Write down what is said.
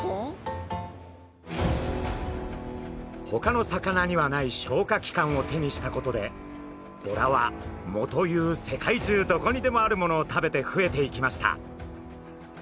ほかの魚にはない消化器官を手にしたことでボラは藻という世界中どこにでもあるものを食べて増えていきました。